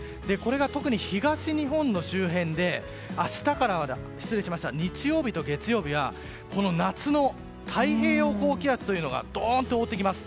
特に東日本の周辺で日曜日と月曜日は夏の太平洋高気圧というのがどんと覆ってきます。